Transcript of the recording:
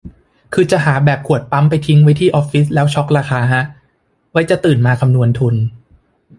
คือจะหาแบบขวดปั๊มไปทิ้งไว้ที่ออฟฟิศแล้วช็อกราคาฮะ ไว้จะตื่นมาคำนวณทุน